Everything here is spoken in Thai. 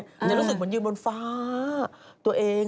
จะรู้สึกเหมือนยืนบนฟ้าตัวเอง